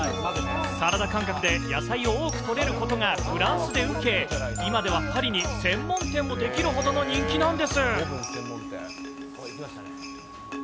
サラダ感覚で野菜を多くとれることがフランスで受け、今ではパリに専門店も出来るほどの人気なんです。